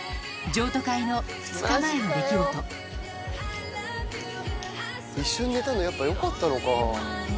譲渡会の２日前の出来事一緒に寝たのやっぱよかったのか。